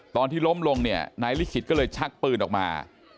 ตอนที่ล้มลงเนี่ยนายลิขิตก็เลยชักปืนออกมา